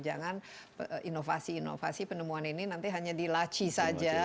jangan inovasi inovasi penemuan ini nanti hanya dilaci saja